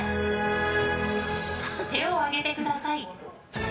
手を上げてください。